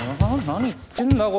何言ってんだよ。